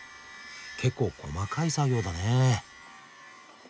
結構細かい作業だね。